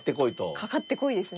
かかってこいですね。